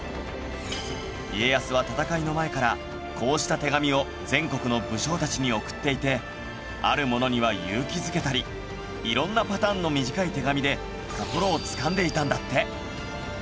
家康は戦いの前からこうした手紙を全国の武将たちに送っていてある者には勇気づけたり色んなパターンの短い手紙で心をつかんでいたんだって